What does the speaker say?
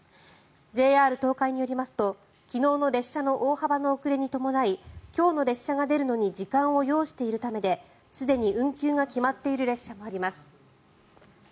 ＪＲ東海によりますと昨日の列車の大幅な遅れに伴い今日の列車が出るのに時間を要しているためですでに運休が決まっている列車もあります。